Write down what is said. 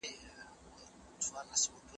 د نوي کال په پیل کې پلانونه جوړېږي.